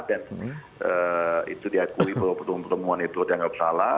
dan itu diakui bahwa pertemuan itu dianggap salah